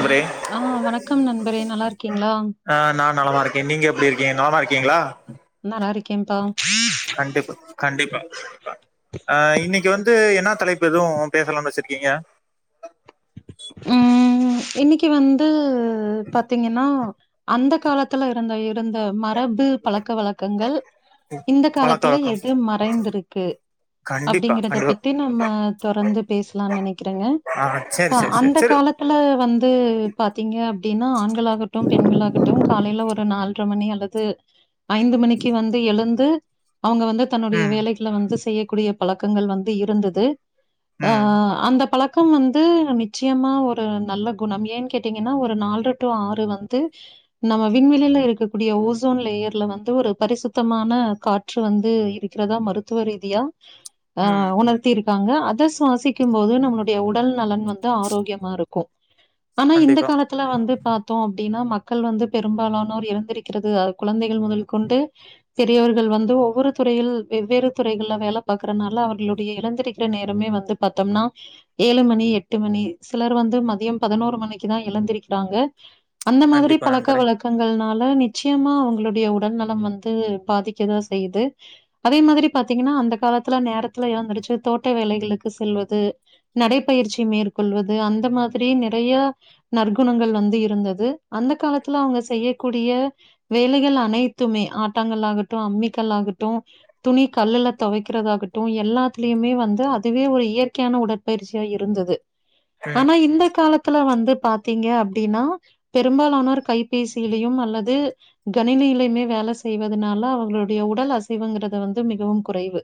அவரே ஆ வணக்கம் நண்பரே நல்லா இருக்கீங்களா ஆ நா நலமா இருக்கே நீங்க எப்டி இருக்கீங்க நலமா இருக்கீங்களா நல்லா இருக்கேன்ப்பா கண்டிப்பா கண்டிப்பா ஆ இன்னைக்கு வந்து என்ன தலைப்பு எதுவு பேசலாம்னு வச்சிருக்கீங்க ம் இன்னைக்கு வந்து பாத்தீங்கன்னா அந்த காலத்துல இருந்த இருந்த ம அரபு பழக்க வழக்கங்கள் இந்த பழக்க காலத்துல வழக்கம் எது மறைந்திருக்கு கண்டிப்பா அப்படிங்கறத கண்டிப்பா பத்தி நம்ம தொடர்ந்து பேசலாம்னு நினைக்கிறேங்க அ சே அ அந்த காலத்துல வந்து பாத்தீங்க அப்டின்னா ஆண்கள் ஆகட்டும் பெண்களாகட்டும் காலையில ஒரு நாலரை மணி அல்லது ஐந்து மணிக்கு வந்து எழுந்து அவங்க வந்து தன்னுடைய ம் வேலைகளை வந்து செய்யக்கூடிய பழக்கங்கள் வந்து இருந்தது ஆ ம் அந்த பழக்கம் வந்து நிச்சயமா ஒரு நல்ல குணம் ஏன் கேட்டீங்கன்னா ஒரு நாலு டு ஆறு வந்து நம்ம விண்வெளில இருக்கக்கூடிய ஓசோன் லேயர்ல வந்து ஒரு பரிசுத்தமான கா ற்று வந்து இருக்கிறதா மருத்துவ ரீதியா [inaudible] ஆ உணர்த்திருக்காங்க அத சுவாசிக்கும் போது நம்மளுடைய உடல் நலன் வந்து ஆரோக்கியமா இருக்கு ஆனா இந்த கண்டிப்பா காலத் இத்துல வந்து பாத்தோ அப்டின்னா மக்கள் வந்து பெரும்பாலானோர் இறந்திருக்கிறது அ கொழந்தைகள் முதல் கொண்டு பெரியவர்கள் வந்து ஒவ்வொரு துறையில் வெவ்வேறு துறைகளல வேலை பாக்கிறதுனால அப்டி அப்டியே இழுந்திருக்கிற நேரமே வந்து பத்தோம்னா ஏழு மணி எட்டு எட்டு மணி சிலர் வந்து மதிய பதினோரு மணிக்கு தா எழுந்திருக்கிறாங்க அந்த மாதிரி கண்டிப்பா பழக்க நண்பரே வழக்க பழக்கங்கள்னால நிச்சயமா அவங்களுடைய உடல்நலம் வந்து பாதிக்க தா செய்து அதே மாதிரி பாத்தீங்கன்னா அந்த காலத்துல நேரத்துல ஏழந்துடுச்சு தோட்ட வேலைகளுக்கு செல்வது நடைப்பயிற்சி மேற்கொள்வது அந்த மாதிரி நெறைய நற்குணங்கள் வந்து இருந்தது அந்த காலத்துல அவங்க செய்யக்கூடிய வேலைகள் அனைத்துமே ஆட்டாங்கள் ஆகட்டு அம்மிக்கல் ஆகட்டு துணி கல்லுல துவைக்கிறதாகட்டு எல்லாத்துலயுமே வந்து அதுவே ஒரு இயற்கையான உடற்பயிற்சியா இரு இருந்துது ம் ஆனா இந்த காலத்துல வந்து பாத்தீங்க அப்டின்னா பெரும்பாலானோர் கைபேசியிலையும் அல்லது கணினியிலுமே வேல செய்வதனால அவுங்களுடைய உடல் அசைவுங்கறது வந்து மிகவும் குறைவு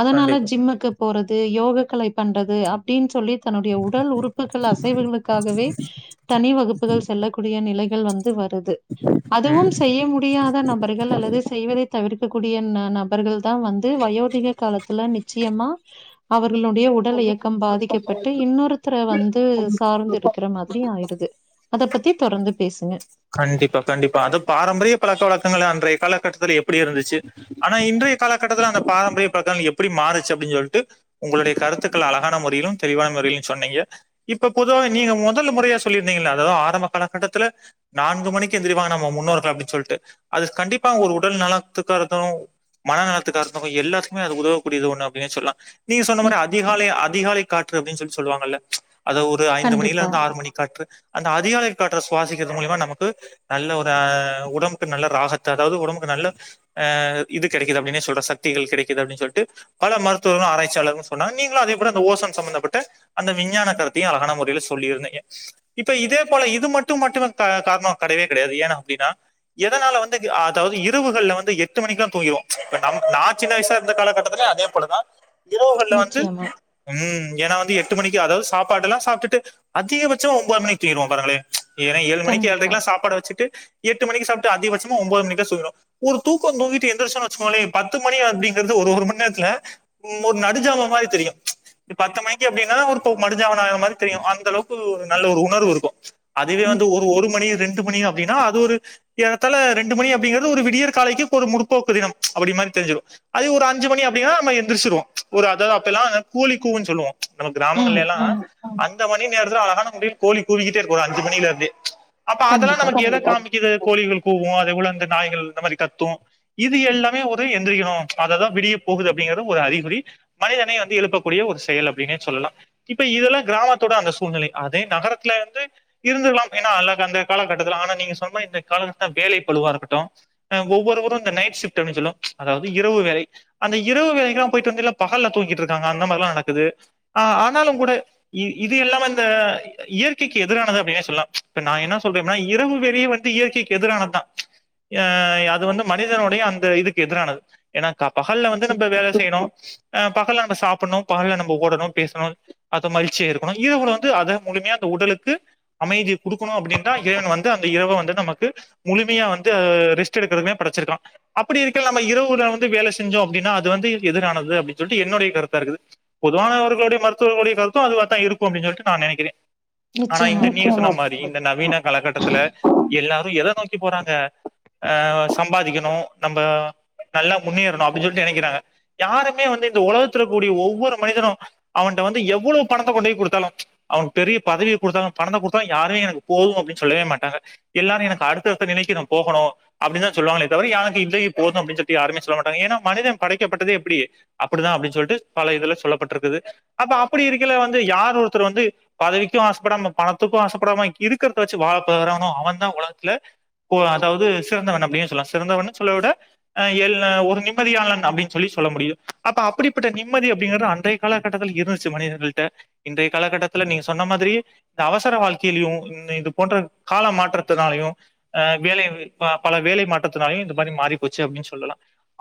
அதனால கண்டிப்பா ஜிம்முக்கு போறது யோக கலை பண்றது அப்டின்னு சொல்லி தன்னுடைய உடல் உறுப்புகள் அசைவுகளுக்காகவே தனி வகுப்புகள் செல்லக்கூடிய நிலைகள் வந்து வருது ம் அதுவும் செய்ய முடியாத நபர்கள் அல்லது செய்வதை தவிர்க்க கூடிய நபர்கள் தா வந்து வயோதிக காலத்துல நிச்சியம்மா அவர்களுடைய உடல் இயக்கம் பாதிக்கப்பட்டு இன்னொருத்தர வந்து சார்ந்து இருக் கற மாதிரி ஆயிருது அத பத்தி தொடர்ந்து பேசுங்க கண்டிப்பா கண்டிப்பா அது பாரம்பரிய பழக்க வழக்கங்கள் அன்றைய காலகட்டத்துல எப்டி இருந்துச்சு ஆனா இன்றைய காலகட்டத்துல அந்த பாரம்பரியம் பக்க எப்டி மாறுச்சு அப்டின்னு சொல்ட்டு உங்களுடைய கருத்துக்கள அழகான முறையிலும் தெளிவான முறையிலும் சொன்னீங்க இப்ப பொதுவா நீங்க மொதல் முறையா சொல்லி இருந்தீங்களா அதாவது ஆரம்ப காலகட்டத்துல நான்கு மணிக்கு எந்திரிவாங்க நம்ம முன்னோர்கள் அப்டின்னு சொல்ட்டு அது கண்டிப்பா ஒரு உடல் நலத்துக்கறது மன நலத்துக்கா இருக்ட்டு எல்லாத்துக்குமே அது உதவக்கூடியது ஒண்ணு அப்டினே சொல்லா நீங்க சொன்ன மாரி நிச்சயமா அதிகாலை அதிகாலை காற்று அப்டின்னு சொல்லி சொல்லுவாங்கல்ல அது ஒரு ஐந்து மணியில கண்டிப்பா இருந்து ஆறு மணி காற்று அந்த அதிகாலை காற்ற சுவாசிக்கிறது மூலியமா ந மக்கு நல்ல ஒரு அ உடம்புக்கு நல்ல ராகத்த அதாவது உடம்புக்கு நல்ல ஆ இது கெடைக்குது அப்டினே சொல்ற சக்திகள் கெடைக்குது அப்டினு சொல்ட்டு பல மருத்துவர்களு ஆராய்ச்சிளர்களு சொன்னாங்க நீங்களு அதே போவ அந்த ஓசன் சம்ம்பந்தப்பட்ட அந்த விஞ்ஞான கருத்தையு அழகான முறையில் சொல்லிருந்தீங்க இப்ப இதே போல இது மட்டு மட்டுமே த கா ரணோ கடையவே கடையாது ஏனா அப்டின்னா எதனால வந்து அதாவது இரவுகள்ல வந்து எட்டு மணிக்குளா தூங்கிருவோ இப்ப நம்ம நா சின்ன வயசா இருந்த காலகட்டத்திலே அதே போலதா இரவுகள்ல வந்து நிச்சயமா ம் ஏனா வந்து எட்டு மணிக்கு அதாவது சாப்பாடுல்லா சாப்ட்டுட்டு அதிகபட்சோ ஒன்பது மணிக்கு தூங்கிடுவோ பாருங்களே ஏனா ஏழு மணிக்கு கண்டிப்பா ஏழ்றைக்குல்லா சாப்பாடு வச்சிட்டு எட்டு மணிக்கு சாப்ட்டு அதிகபட்சமா ஒம்போது மணிக்க சுய்ங்ருவோ ஒரு தூக்கோ தூங்கிட்டு எந்திரச்சன்னு வச்சுோங்களே பத்து மணி அப்டிங்கிறது ஒரு ஒரு மண் நேரத்துல உ ஒரு நடுஜாமோ மாரி தெரியு இது பத்து மணிக்கு அப்டின்னாலு ஒரு மடுஞ்சாவன ஆகுற மாரி தெரியு அந்த அளவுக்கு ஒரு நல்ல ஒரு உணர்வு இருக்கு அதுவே வந்து ஒரு நிச்சயமா ஒரு மணி ரெண்டு மணி அப்டின்னா அது ஒரு ஏகத்தால ரெண்டு மணி அப்டிங்கிறது ஒரு விடியர் காலைக்கு ஒரு முற்போக்கு தினம் அப்டின் மாரி தெரிஞ்சிரு அது ஒரு அஞ்சு மணி அப்டின்னா நம்ம எந்திரிச்சிருவோ ஒரு அதாவது அப்ப எல்லா கோலி கூவுன் சொல்லுவோ நம்ம ம் கிராமங்கள்லெல்லா ம் அந்த மணி நேரத்தில அழகான மு கோழி கூவிக்கிட்டே இருக்கு அஞ்சு மணில இருந்தே அப்ப அதெல்லா கண்டிப்பா நமக்கு எத காமிக்குது கோழிகள் கூவ அதுபோலந்து நாய்கள் இந்த மாரி கத்து இது எல்லாமே ஒரு எந்திரிக்கணு அதா அதா விடிய போகுது அப்டிங்கற ஒரு அறிகுறி மனிதனை வந்து எழுப்பக்கூடிய ஒரு செயல் அப்டின்னே சொல்லலா இப்ப இதெல்லா கிராமத்தோட அந்த சூழ்நிலை அதே நகரத்துல இருந்து இருந்துக்கலாம் ஏனா அலா அந்த காலகட்டத்தில் ஆனா நீங்க சொன்ன மாரி இந்த காலட்டத்த வேலை பழுவா இருக்கட்டு ஒவ்வொருவரு இந்த நைட் ஷிப்ட் அப்பின்னு சொல்வோ அதாவது இரவு வேலை அந்த இரவு வேலைக்கெல்லா போயிட்டு வந்து எல்லா பகல்ல தூங்கிட்டு இருக்காங்க அந்த மாரில்லா நடக்குது ஆ ஆனாலு கூட இ இது எல்லாம இந்த இயற்கைக்கு எதிரானது அப்டின்னே சொல்லலா இப்ப நா என்ன சொல்றேனா இரவு வேலையு வந்து இயற்கைக்கு எதிரானதுதா எ அது வந்து மனிதனுடைய அந்த இதுக்கு எதிரானது ஏனா பகல்ல வந்து நிச்சய நம்ம வேல செய்ணு அ பகல்ல நம்ம சாப்புணு பகல்ல நம்ம ஓடணு பேசணு அது மகிழ்சியா இருக்குணு இரவுல வந்து அது முழுமியா அந்த உடலுக்கு அமைதி குடுக்குணு அப்டின்தா இறைவன் வந்து அந்த இரவ வந்து நமக்கு முழுமைய வந்து ரெஸ்ட் எடுக்கிறதுக்குனே படச்சிருக்கா அப்டி இருக்கல நம்ம இரவுல வந்து வேல செஞ்சோ அப்டினா அது வந்து எதிரானது அப்டின் சொல்லிட்டு என்னுடைய கருத்தா இருக்குது பொதுவானவர்களுடைய மருத்துவர்களுடைய கருத்து அதுவாதா இருக்கு அப்டின் சொல்ட்டு நா நெனைக்கிற ஆனா நிச்சயமா இந்த நீங்க சொன்ன மாரி நிச்சயமா இந்த நவீன காலகட்டத்துல எல்லாரு எத நோக்கி போறாங்க ஆ சம்பாதிக்கணு நம்ப நல்லா முன்னேறணு அப்டின் சொல்ட்டு நனக்கிறாங்க யாருமே வந்து இந்த உலகத்துல கூடிய ஒவ்வொரு மனிதனு அவன்ட வந்து எவ்ளோ பணத்த கொண்டேய் குடுத்தாலு அவ பெரிய பதவிய குடுத்தாலு பணத்த குடுத்தாலு யாரு எனக் போது அப்டின் சொல்லவே மாட்டாங்க எல்லாரு எனக்கு அடுத்த அடுத்த நிலைக்கு நா போகணு அப்டி தா சொல்லுவாங்ளே தவிர எனக்கு இதையே போது அப்டின் சொல்ட்டு யாருமே சொல்ல மாட்டாங்க ஏனா மனிதன் படைக்கப்பட்டதே எப்டி அப்பிடிதா அப்டின் சொல்ட்டு பல இதுல சொல்லப்பட்ருக்குது அப்ப அப்பிடி இருக்கல வந்து யார் ஒருத்தர் வந்து பதவிக்கு ஆசப்படாம பணத்துக்கு ஆச கூடம இருக்கிறத வச்சு வாழ பழகுறானோ அவ தா ஓலகத்துல இப்போ அதாவது சிறந்தவன் அப்டியே சொல்ல சிறந்தவன் சொல்ல விட எல்ல ஒரு நிம்மதியாளன் அப்டின் சொல்லி சொல்ல முடியு அப்ப அப்படிப்பட்ட நிம்மதி அப்டிங்கற அன்றை காலகட்டத்தில இருந்துச்சு மனிதர்கள்ட்ட இன்றைய காலகட்டத்தில நீங்க சொன்ன மாதிரியே இந்த அவசர வாழ் கிலியு இது போன்ற கால மாற்றத்தினாலயு அ வேலை பல வேலை மாற்றத்தினாலயு இந்த மாரி மாறி போச்சு அப்டின் சொல்லலா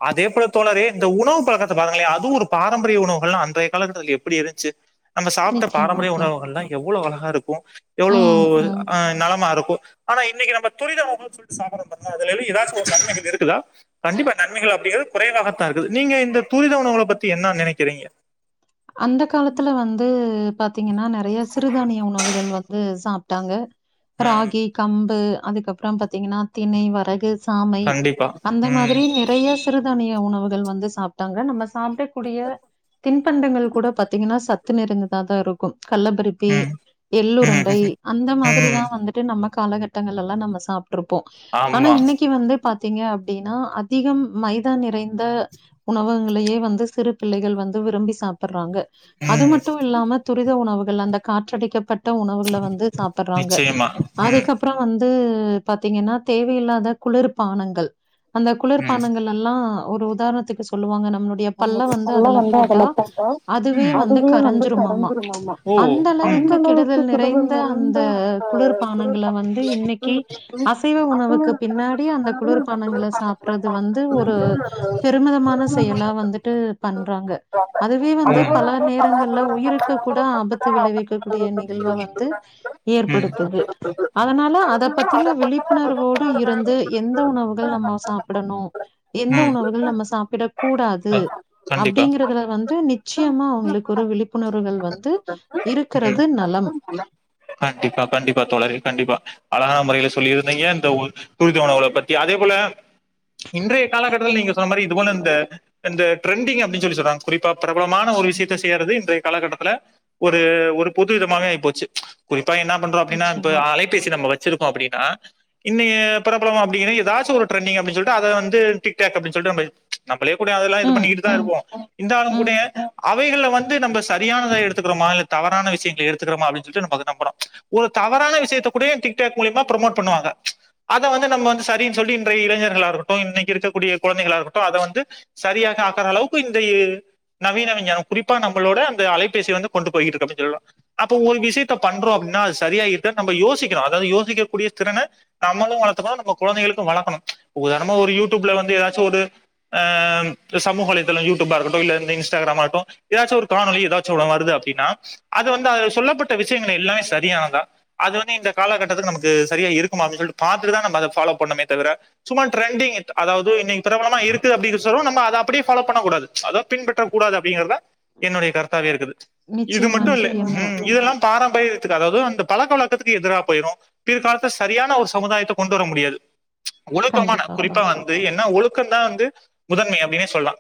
அதே போல தோழரே இந்த உணவு பழக்கத்த பாருங்களே அது ஒரு பாரம்பரிய உணவுகல்லா அன்றைய காலத்தில எப்டி இருன்ச்சு நம்ம சாப்ட்ட பாரம்பரிய நிச்சயமாப்பா உணவுகள்லா எவ்ளோ அழகா இருக்கு எவ்ளோ ம் ம் அ நலமா இருக்கு ஆனா இன்னைக்கு நம்ம துரித உணவகம்னு சொல்லி சாப்பரம் பாத்திங்கள அதுல ஏதாச்ச ஒரு நன்மைகள் இருக்குதா கண்டிப்பா நன்மைகள் அப்டிங்கறது குறைவாகத்தா இருக்குது நீங்க இந்த தூரித உணவுகள பத்தி என்ன நினைக்கிறீங்க அந்த காலத்துல வந்து பாத்தீங்கன்னா நறைய சிறுதானிய உணவுகள் வந்து சாப்டாங்க ம் ராகி கம்பு அதுக்கப்புறோ பாத்தீங்கன்னா திணை வரகு சாமை கண்டிப்பா அந்த ம் மாதிரி நிறைய சிறு தானிய உணவுகள் வந்து சாப்டாங்க நம்ம சாப்டக்கூடிய தின்பண்டங்கள் கூட பாத்தீங்கன்னா சத்து நிறைந்ததா தா இருக்கு கல்லபரிப் சி ம் எள்ளுருண்டை ம் அந்த ம் மாதிரிதா வந்துட்டு நம்ம கால கட்டங்களலா நம்ம சாப் ருப்போ ஆனா ஆமா இன்னைக்கு வந்து பாத்தீங்க அப்டினா அதிகம் மைதா நிறைந்த உணவுங்களேயே வந்து சிறுபிள்ளைகள் வந்து விரும்பி சா சாப்பிற்றாங்க அது ம் மட்டு இல்லாம துரித உணவுகள் அந்த காற்றடைக்க பட்ட உணவுகள வந்து சாப்பிற்றாங்க நிச்சயமா ம் அதுக்கப் ப்ற வந்து பாத்தீங்கன்னா தேவையில்லாத குளிர்பானங்கள் அந்த ம் குளிர்பானங்களெல்லா ஒரு உதாரணத்துக்கு சொல்லுவாங்க நம்மளுடைய பல்ல வந்து அதுல போட்டா போட்டா அதுவே வந்து கரைஞ்சிருமாமா ஓ அந்த ம் அளவுக்கு கெடுதல் நிறைந்த அந்த குளிர்பானங்கள வந்து இன்னைக்கு அசைவ உணவுக்கு பின்னாடி அந்த குளிர்பானங்கள சாப் பிறது வந்து ஒரு பெருமிதமான செயலா வந்துட்டு பண்றாங்க அதுவே வந்து ம் பல நேர் ரங்கள்ல உயிருக்க கூட ஆபத்து விளைவிக்க கூடிய நிகழ்வ வந்து சூழ்நிலை ம் ஏற்படுத்துது அதனால அத பத்தின விழிப்புணர்வோடு இருந்து எந்த உணவுகள் நம்ம சாப்டணு எந்த ம் உணவுகள் நம்ம சாப்பிட கூடாது கண்டிப்பா அப்டிங்கறதுல வந் து நிச்சியமா அவுங்குளுக்கு ஒரு விழிப்புணர்வுகள் வந்து ம் இருக்கிறது நலம் கண்டிப்பா கண்டிப்பா தோழரே கண்டிப்பா அழகான முறையில சொல்லியிருந்தீங்க இந்த உ துரித உணவுகள பத்தி அதே போல இன்றைய காலகட்டத்துல நீங்க சொன்ன மாரி இது போல இந்த இந்த ட்ரெண்டிங் அப்பிடிஞ் சொல்லி சொல்றாங்க குறிப்பா பிரபலமான ஒரு விஷயத்த செய்யறது இன்றைய காலகட்டத்துல ஒரு ஒரு பொது விதமாவே ஆய்போச்சு குறிப்பா என்ன பண்றோ அப்டினா இப்ப நிச்சயமா அலை பேசி நம்ம வச்சிருக்கோ அப்டினா இன்னய பிரபலம் அப்பிடிங்கிற ஏதாச்சு ஒரு டரண்டிங் அப்டின் சொல்ட்டு அத வந்து டிக்டாக் அப்டின் சொல்ட்டு நம்ப நம்பளே கூட அதெல்லா இது ம் பண்ணிகிட்டு தா ம் இருப்போ ம் இந்தாலுங்கூடயே அவைகள்ல வந்து நம்ப சரியானத எடுத்துக்குறோமா இல்ல தவறான விஷயங்கள எடுத்துக்குறோமா அப்டின் சொல்ட்டு நம்ப அத நம்பணு ஒரு தவறான விஷயத்த கூடயே டிக்டாக் மூலியமா ப்ரோமோட் பண்ணுவாங்க அத வந்து நம்ம வந்து சரின் சொல்ட்டு இன்றைய இளைஞர்களா இருக்கட்டு இன்னக்கி இருக்கக்கூடிய கொழந்தைகளா இருக்கட்டு அத வந்து சரியாக ஆக்காற அளவுக்கு இந்தைய நவீன விஞ்ஞானம் குறிப்பா நம்பளோட அந்த அலைபேசி வந்து கொண்டு போயிட்ருக்கு அப்டின் சொல்லலா அப்போ ஒரு விஷயத்த பண்றோ அப்டின்னா அது சரியா இருக்கா நம்ப யோசிக்கணு அதாது யோசிக்கக்கூடிய திறன நம்மளு வளத்துக்கணு நம்ம கொழந்தைகளுக்கு வளக்கணு உதாரணமா ஒரு யூட்யூப்ல வந்து எதாச்சு ஒரு ஆ ம் இந்த சமூக வலைத்தளம் யூட்யூபா இருக்கட்டு இல்ல இந்த இன்ஸ்டாக்ராமாகட்டு ஏதாச்சு ஒரு காணொலி எதாச்சு ஒன்னு வருது அப்டின்னா அது வந்து அதுல சொல்லப்பட்ட விஷயங்கள் எல்லாமே சரியானதா அது வந்து இந்த காலகட்டத்துக்கு நமக்கு சரியா இருக்குமா அப்டின் சொல்ட்டு பாத்துட்டுதா நம்ப அத ஃபாலோ பண்ணமே தவிர சும்மா டிரெண்டிங் அதாவது இன்னக்கி பிரபலமா இருக்குது அப்டி சொல்லவு நம் ப அப்பிடியே ஃபாலோ பண்ணக்கூடாது அதா பின்பற்ற கூடாது அப்பிடிங்கறதா என்னுடைய கருத்தாவே இருக்குது இது நிச்சயமா மட்டு இல்ல நிச்சயமா ம் இதெல்லா பாரம்பரியத்துக்கு அதாவது அந்த பழக்கவழக்கத்துக்கு எதிரா பேயிரு பிற்காலத்துல சரியான ஒரு சமுதாயத்த கொண்டு வர முடியாது ஒழுக்கமான கண்டிப்பாப்பா குறிப்பா வந்து என்ன ஒழுக்கந்தா வந்து முதன்மை அப்டினே சொல்லா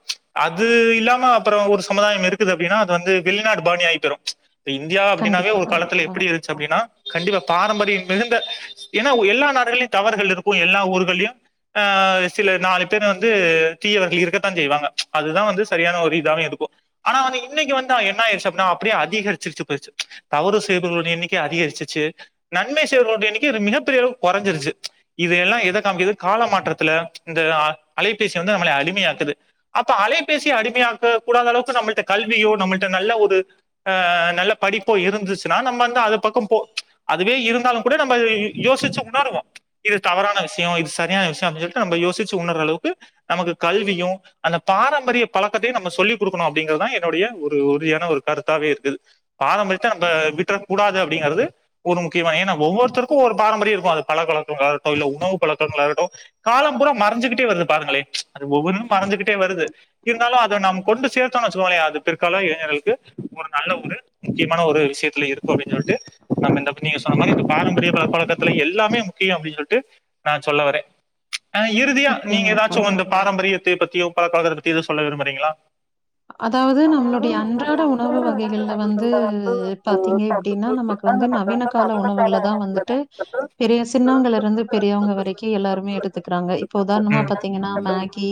அது இல்லாம அப்புற ஒரு சமுதாயம் இருக்குது அப்டின்னா அது வந்து வெளிநாடு பாணி ஆயிபோய்ரு இப்ப இந்தியா அப்பிடினாவே கண்டிப்பா ஒரு காலத்துல கண்டிப்பா எப்டி இருந்துச்சு அப்டினா கண்டிப்பா பாரம்பரியம் மிகுந்த ஏனா எல்லா நாடுகளயு தவறுகள் இருக்கும் எல்லா ஊர்கள்லயு அ சில நாலு பேர் வந்து தீயவர்கள் இருக்கத் தா செய்வாங்க அதுதா வந்து சரியான ஒரு இதாவே இருக்கு ஆனா வந்து இன்னக்கி வந்து அ என்னாயிருச்சு அப்டின்னா அப்டியே அதிகரிச்சுருச்சு போயிருச்சு தவறு செய்பவர்களுடைய எண்ணிக்கை அதிகரிச்சிச்சு நன்மை செய்பவர்களுடைய எண்ணிக்கை மிகப்பெரியளவு கொறஞ்சிருச்சு இதை எல்லா எத காமிக்கிது கால மாற்றத்துல இந்த அலைபேசி வந்து நம்மளை அடிமையாக்குது அப்ப அலைபேசிய அடிமையாக்க கூடாத அளவுக்கு நம்மள்ட்ட கல்வியோ நம்மள்ட்ட நல்ல ஒரு அ நல்ல படிப்போ இருந்துச்சுன்னா நம்ம வந்து அது பக்கம் போ அதுவே இருந்தாலுங்கூட நம்ப யோசிச்சு உணருவோ இது தவறான விஷயோ இது சரியான விஷயோ அப்டின் சொல்ட்டு நம்ப யோசிச்சு உணர்ர அளவுக்கு நமக்கு கல்வியு அந்த பாரம்பரிய பழக்கத்தையு நம்ம சொல்லி் குடுக்கணு அப்பிடிங்கறதா என்னுடைய ஒரு உறுதியான ஒரு கருத்தாவே இருக்குது பாரம்பரியத்த நம்ப விட்றக்கூடாது அப்டிங்கறது ஒரு முக்கியமான ஏனா ஒவ்வொருத்தருக்கு ஒரு பாரம்பரிய இருக்கு அது பழக்கவழக் [unintelligible] இல்ல உணவு பழக்கங்களா இருக்கட்டு காலம் பூரா மறஞ்சுகிட்டே வருது பாருங்களே அது ஒவ்வொன்னு மறஞ்சுகிட் டே வருது இருந்தாலு அத நம் கொண்டு சேர்த்தோனு வச்சுக்கோங்களே அது பிற்கால இளைஞர்களுக்கு ஒரு நல்ல ஒரு முக்கியமான ஒரு விஷயத்துல இருக்கு அப்டின் சொல்ட்டு நம்ம இந்த நீங்க சொன்ன மாரி இந்த பாரம்பரிய பழக்க வழக்கத்துல எல்லாமே முக்கியம் அப்டின் சொல்ட்டு நா சொல்ல வரே அ இறுதியா நீங்க நிச்சயமாப்பா ஏதாச்சு அந்த பாரம்பரியத்த பத்தியோ பழக்கவழக்கத்த பத்தியோ ஏதோ சொல்ல விரும்புறீங்களா அதாவது நம்மளுடைய அன்றாட உணவு வகைகள்ல வந்து பாத்தீங்க எப்பிடின்னா நமக்கு வந்து நவீன கால உணவுகளதா வந்துட்டு பெரிய சின்னவங்கள்லுருந்து பெரியவங்க வரைக்கி எல்லாருமே எடுத் துக்கிறாங்க இப்போ உதாரணமா ம் பாத்தீங்கன்னா மேகி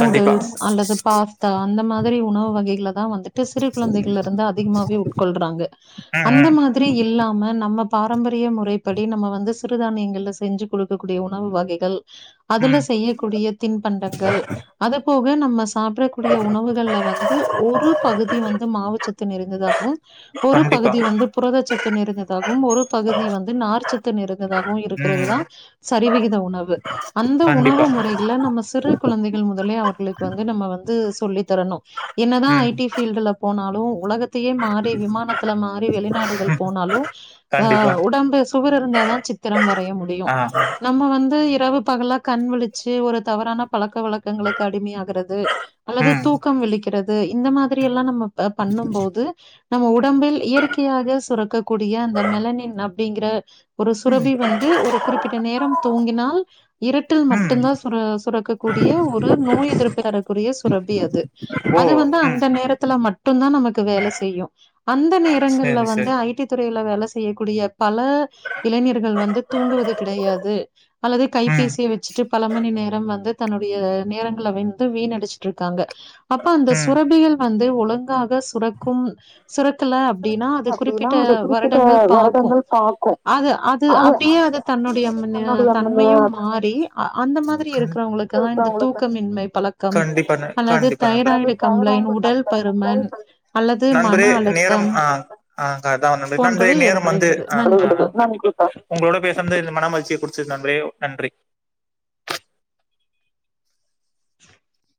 கண்டிப்பா அல்லது பாஸ் தா அந்த மாதிரி உணவு வகைகள தா வந்துட்டு சிறு குழந்தைகள்லருந்து அதிகமாவே உட்கொள்றாங்க ம் அந்த ம் மா திரி இல்லாம நம்ம பாரம்பரிய முறைப்படி நம்ம வந்து சிறுதானியங்கள்ல செஞ்சு குடுத் இருக்கக்கூடிய உணவு வகைகள் அதுல ம் செய்யக்கூடிய தின்பண்டங்கள் அத போக நம்ம சாப்டர கூடிய உணவுகள்ல வந்து ஒரு பகுதி வந்து மாவு சத்து நிறைந்ததாகவும் ஒரு கண்டிப்பா பகுதி வந்து புரதச்சத்து நிறைந்ததாகவும் ஒரு பகுதி வந்து நார்ச்சத்து நிறைந்ததாகவும் இருக்கிறது ம் தா சரிவிகித உணவு அந்த உணவு கண்டிப்பா முறை நம்ம சிறு குழந்தைகள் முதலே அவர்களுக்கு வந்து நம்ம வந்து சொல்லி தரணு என்னதா ஐ ம் டி ஃபீல்டுல போனாலு உலகத் தயே மாறி விமானத்துல மாறி வெளிநாடுகள் போனாலு ஆ கண்டிப்பா உடம்பு சுவர் இருந்தாதா சித்திரம் வரைய முடியும் ஆ நம்ம வந்து இரவு பகலா கண் விழிச்சு ஒரு தவறான பழக்க வழக்கங்களுக்கு அடிமையாகுறது அல்லது ம் தூக்கம் விழிக்கிறது இந்த மாதிரி எல்லா நம்ம பண்ணும்போது நம்ம உடம்பில் இயற்கையாக சுரக்கக்க கூடிய அந்த மெலனின் அப்டிங்கிற ஒரு ம் சுரபி வந்து ஒரு குறிப்பிட்ட நேரம் தூங்கினால் இருட்டில் ம் மட்டும்தா சுர சுரக்கக்க கூடிய ஒரு நோய் எதிர்ப்பு தரக்குரிய சுரபி அது ஓ அது வந்து ம் அந்த நேரத்துல மட்டுந்தா நமக்கு வேல செய்யு அந்த நேரங்கள்ல சரி சரி வந்து ஐ டி துறையில வேல செய்யக்கூடிய பல இளைஞர்கள் வந்து தூங்குவது கிடையாது அல்லது ம் கைபேசிய வச்சுட்டு பல நேரம் வந்து தன்னுடைய நேரங்கள் வந்து வீண்ணடி இருக்காங்க அந்த ம் சுரபிகள் வந்து ஒழுங்காக சுரக்கும் சுரக்கல அப்டின்னா அது குறிப்பிட்ட வருடங்கள் பாக்கு அது அது அப்டியே அது தன்னுடைய ந தன்மையு மாறி அந்த மாதிரி கண் இருக்கிறவங்களுக்கு தா இந்த தூக்கமின்மை பழக்கம் கண்டிப்பான ந அல்லது கண்டிப்பா நண்பரே தைராய்டு கம்ப்ளைண்ட், உடல் பருமன் அல்லது மன நண்பரே நேரம் அழுத்தம் ஆ ஆங்கான் அது நண்பரே போன்றவை நேரம் வந்து ஏற்படுகிறது. நன்றிப்பா. உங்களோட பேசுறது இந்த மனமகிழ்ச்சிய குடுச்சது நண்பரே நன்றி [inaudible]